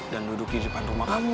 dan duduk di depan rumah kamu